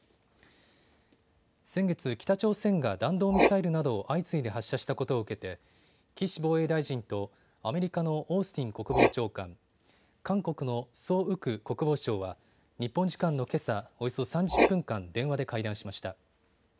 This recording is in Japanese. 先月、北朝鮮が弾道ミサイルなどを相次いで発射したことを受けて岸防衛大臣とアメリカのオースティン国防長官、韓国のソ・ウク国防相は日本時間のけさ、およそ３０分間電話で会談しました。